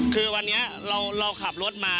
คือวันนี้เราขับรถมา